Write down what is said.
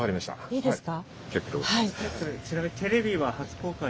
いいですか？